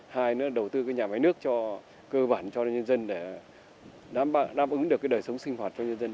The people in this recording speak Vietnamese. hai nữa đầu tư cái nhà máy nước cho cơ bản cho nhân dân để đáp ứng được cái đời sống sinh hoạt cho nhân dân